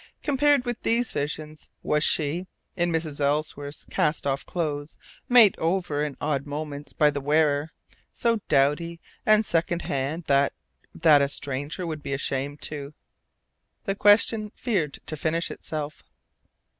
Compared with these visions, was she (in Mrs. Ellsworth's cast off clothes, made over in odd moments by the wearer) so dowdy and second hand that that a stranger would be ashamed to ? The question feared to finish itself.